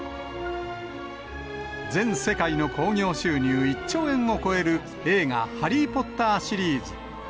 全世界の興行収入１兆円を超える映画、ハリー・ポッターシリーズ。